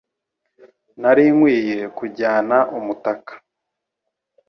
Nari nkwiye kujyana umutaka.